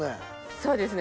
そうですね